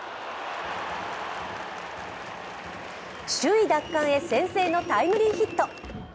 首位奪還へ先制のタイムリーヒット。